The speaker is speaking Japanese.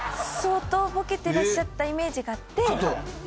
相当ボケてらっしゃったイメージがあって。